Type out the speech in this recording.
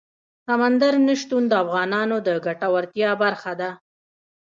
سمندر نه شتون د افغانانو د ګټورتیا برخه ده.